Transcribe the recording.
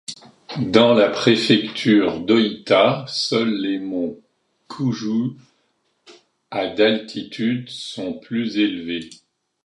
Dans la préfecture d'Ōita, seuls les monts Kujū, à d'altitude, sont plus élevés.